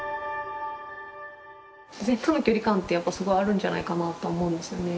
自然との距離感ってやっぱりすごくあるんじゃないかなと思うんですよね。